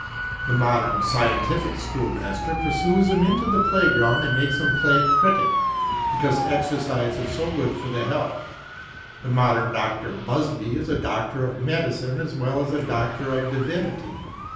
The modern scientific schoolmaster pursues him into the playground and makes him play at cricket, because exercise is so good for the health. The modern Dr. Busby is a doctor of medicine as well as a doctor of divinity.